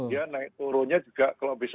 ya naik turunnya juga kalau bisa